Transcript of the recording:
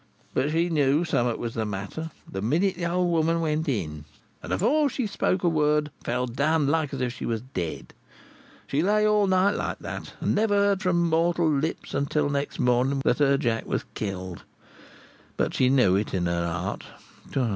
But she knew summat was the matter, the minute the old woman went in, and, afore she spoke a word, fell down like as if she was dead. She lay all night like that, and never heard from mortal lips until next morning that her Jack was killed. But she knew it in her heart.